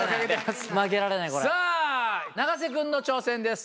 さぁ永瀬君の挑戦です。